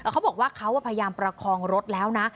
เขาบอกว่าเขาพยายามประคองรถแล้วนะ